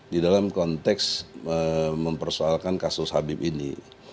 di dalam konteks mempersoalkan kasus habib ini